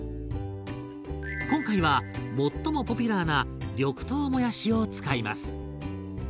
今回は最もポピュラーな緑豆もやしを使います。